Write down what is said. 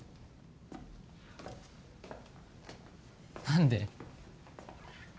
何で？